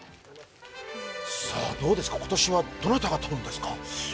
どうですか、今年はどなたが取るんですか。